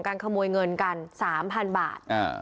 ของการขโมยเงินกัน๓๐๐๐บาท